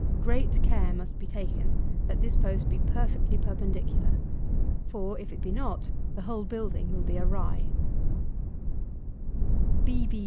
Great care must be taken that this post be perfectly perpendicular; for, if it be not, the whole building will be awry.